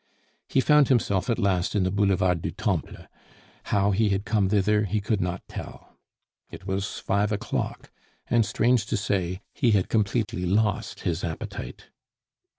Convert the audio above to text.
He found himself at last in the Boulevard du Temple; how he had come thither he could not tell. It was five o'clock, and, strange to say, he had completely lost his appetite.